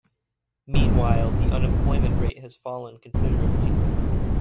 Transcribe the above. Meanwhile, the unemployment rate has fallen considerably.